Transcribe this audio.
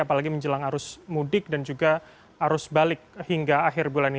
apalagi menjelang arus mudik dan juga arus balik hingga akhir bulan ini